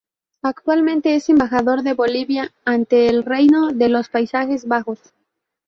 Actualmente es Embajador de Bolivia ante el Reino de los Países Bajos.